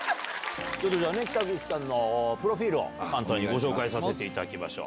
ちょっとじゃあね、北口さんのプロフィールを簡単にご紹介させていただきましょう。